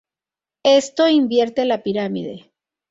Esto invierte la pirámide.